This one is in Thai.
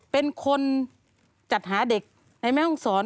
เป็นคนจัดหาเด็กในแม่ห้องศร